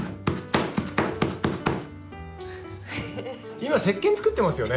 今石けん作ってますよね？